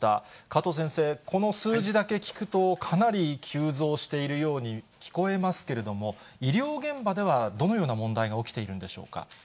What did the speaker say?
加藤先生、この数字だけ聞くと、かなり急増しているように聞こえますけれども、医療現場ではどのような問題が起きているんでしょうか。